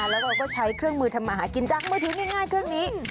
แล้วเราก็ใช้เครื่องมือทำมาหากินจากมือถือง่ายเครื่องนี้